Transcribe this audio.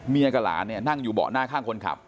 กับหลานเนี่ยนั่งอยู่เบาะหน้าข้างคนขับ